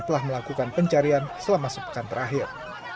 telah melakukan pencarian selama sepekan terakhir